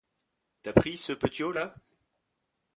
T'as pris ce petiot-là?